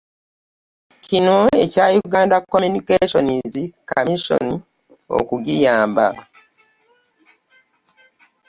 Kino ekya Uganda Communications Commission okugiyamba